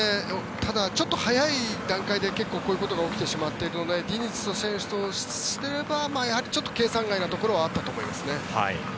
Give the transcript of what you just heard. ただ、ちょっと早い段階で結構こういうことが起きてしまっているのでディニズ選手としてはやはりちょっと計算外のところはあったと思いますね。